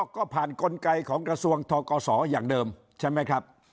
ก็ผ่านกลไกของกระทรวงทกศอย่างเดิมใช่ไหมครับ